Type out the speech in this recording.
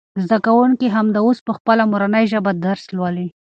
زده کوونکي همدا اوس په خپله مورنۍ ژبه درس لولي.